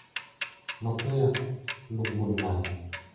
นกเงือก ลุงบุญมา